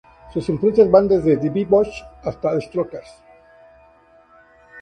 Sus influencias van desde The Beach Boys hasta The Strokes.